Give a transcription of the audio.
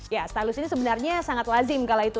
ya stalus ini sebenarnya sangat lazim kala itu